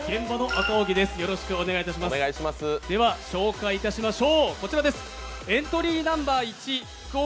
では紹介いたしましょう。